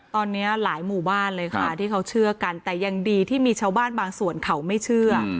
ตอนนี้หลายหมู่บ้านเลยค่ะที่เขาเชื่อกันแต่ยังดีที่มีชาวบ้านบางส่วนเขาไม่เชื่อ